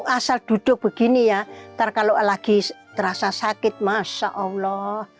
asal duduk begini ya ntar kalau lagi terasa sakit masya allah